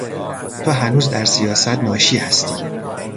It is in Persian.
تو هنوز در سیاست ناشی هستی.